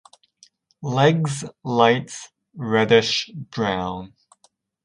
Legs light reddish brown.